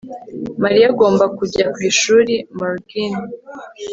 Mariya agomba kujya ku ishuri morgyn